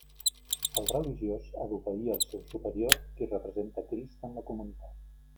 El religiós ha d'obeir el seu superior, qui representa Crist en la comunitat.